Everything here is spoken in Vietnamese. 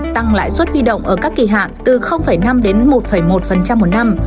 tăng lãi suất huy động ở các kỳ hạn từ năm đến một một năm